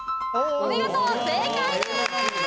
お見事正解です！